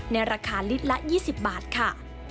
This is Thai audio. ในราคาลิตรละ๒๐บาทค่ะ